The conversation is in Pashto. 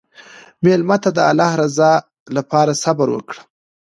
مېلمه ته د الله رضا لپاره صبر وکړه.